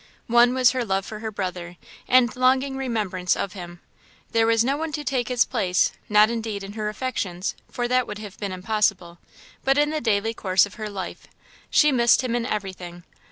One was her love for her brother, and longing remembrance of him. There was no one to take his place, not indeed in her affections, for that would have been impossible, but in the daily course of her life. She missed him in everything.